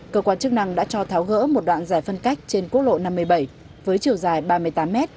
cơ quan chức năng đã cho tháo gỡ một đoạn dài phân cách trên quốc lộ năm mươi bảy với chiều dài ba mươi tám m